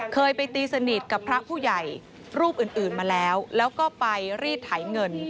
เคยไปตีสนิทกับพระผู้ใหญ่รูปอื่นมาแล้วแล้วก็ไปรีดไถเงิน